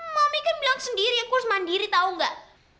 mami kan bilang sendiri ya kurus mandiri tau gak